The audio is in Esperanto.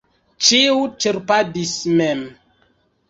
Ĉiu ĉerpadis mem.